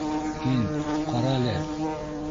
Һин... ҡара әле.